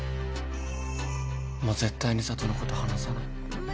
もう絶対に佐都のこと離さない。